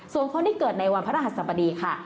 ส่วนคนที่เกิดในวันพระรหัสสบดีค่ะ